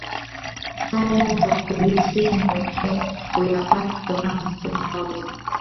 haya kwa kurithi na wengine huyapata kutokana na mfumo wao wa